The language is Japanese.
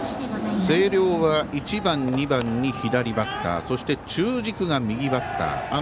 星稜は１番、２番に左バッターそして中軸が右バッター。